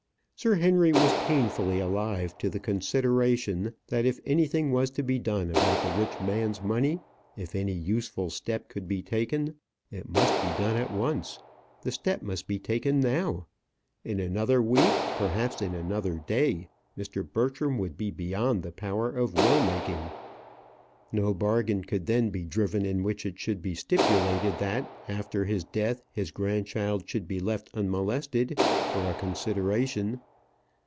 Sir Henry was painfully alive to the consideration, that if anything was to be done about the rich man's money, if any useful step could be taken, it must be done at once; the step must be taken now. In another week, perhaps in another day, Mr. Bertram would be beyond the power of will making. No bargain could then be driven in which it should be stipulated that after his death his grandchild should be left unmolested for a consideration.